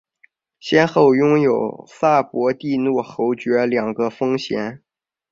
先后拥有萨博蒂诺侯爵两个封衔。